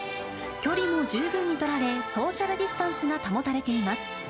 距離も十分に取られ、ソーシャルディスタンスが保たれています。